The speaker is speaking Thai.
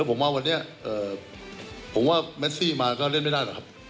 ผมว่าวันนี้ผมว่าแมสซี่มาก็เล่นไม่ได้หรอกครับ